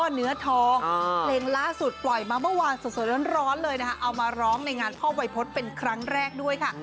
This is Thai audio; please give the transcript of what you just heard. เอามาร้องในงานพ่อวัยพจน์เป็นครั้งแรกด้วยค่ะ